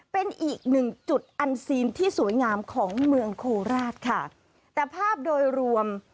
เป็นอีกหนึ่งจุดอันซีนที่สวยงามของเมืองโคราชค่ะแต่ภาพโดยรวม